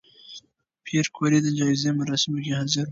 پېیر کوري د جایزې مراسمو کې حاضر و؟